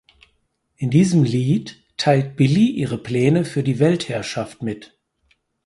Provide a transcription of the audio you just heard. In diesem Lied teilt Billie ihre Pläne für die Weltherrschaft mit.